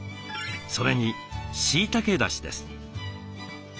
それにしいたけだしです。